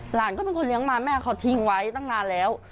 หลานก็เป็นคนเลี้ยงมาแม่เขาทิ้งไว้ตั้งนานแล้ว